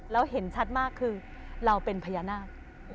เห็นชัดมากคือเราเป็นพญานาค